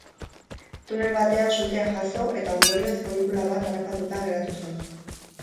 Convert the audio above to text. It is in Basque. Tunel batean sutea jazo, eta ondorioz funikular bat harrapatuta geratu zen.